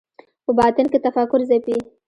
په باطن کې تفکر ځپي